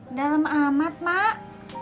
udah lemah amat mak